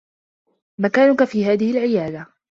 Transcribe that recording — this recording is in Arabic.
مكانك في هذه العيادة.